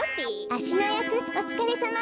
あしのやくおつかれさま。